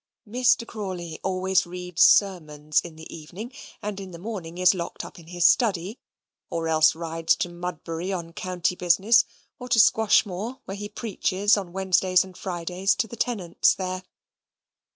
Mr. Crawley always reads sermons in the evening, and in the morning is locked up in his study, or else rides to Mudbury, on county business, or to Squashmore, where he preaches, on Wednesdays and Fridays, to the tenants there.